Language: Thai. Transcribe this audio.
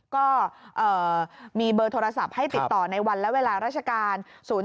ก็มีเบอร์โทรศัพท์ให้ติดต่อในวันและเวลาราชการ๐๔